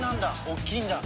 おっきいんだ。